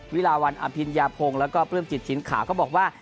วิลาวันอภิญญาพงศ์แล้วก็ปลื้มจิตถิ่นขาวก็บอกว่า